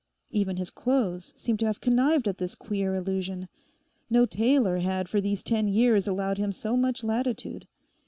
Even his clothes seemed to have connived at this queer illusion. No tailor had for these ten years allowed him so much latitude.